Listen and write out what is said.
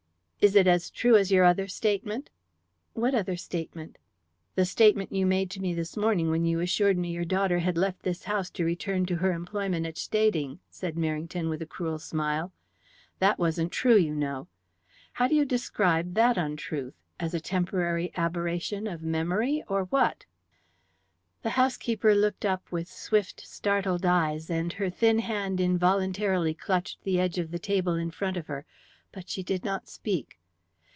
"Is it as true as your other statement?" "What other statement?" "The statement you made to me this morning when you assured me your daughter had left this house to return to her employment at Stading?" said Merrington, with a cruel smile. "That wasn't true, you know. How do you describe that untruth? As a temporary aberration of memory, or what?" The housekeeper looked up with swift, startled eyes, and her thin hand involuntarily clutched the edge of the table in front of her, but she did not speak.